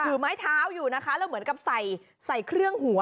ถือไม้เท้าอยู่นะคะแล้วเหมือนกับใส่เครื่องหัว